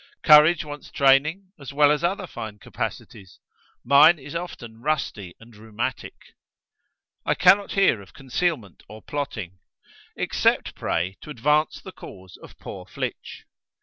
Courage wants training, as well as other fine capacities. Mine is often rusty and rheumatic." "I cannot hear of concealment or plotting." "Except, pray, to advance the cause of poor Flitch!"